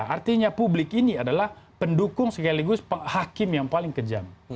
artinya publik ini adalah pendukung sekaligus hakim yang paling kejam